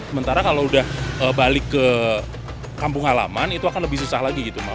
sementara kalau udah balik ke kampung halaman itu akan lebih susah lagi gitu